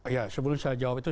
ya sebelum saya jawab itu